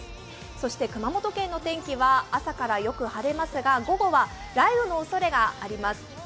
そして熊本県の天気は朝からよく晴れますが午後は雷雨のおそれがあります。